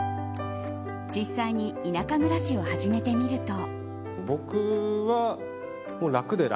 実際に田舎暮らしを始めてみると。